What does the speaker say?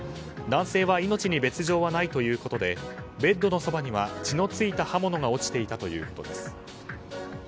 男性は命に別条はないということでベッドのそばには血の付いた刃物が落ちていたということです。